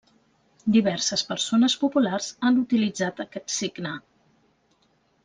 Diverses persones populars han utilitzat aquest signe.